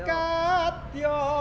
sma dua bantul